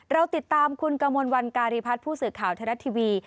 เราติดตามคุณกมลวันการีพัฒน์ผู้สื่อข่าวไทยรัฐทีวี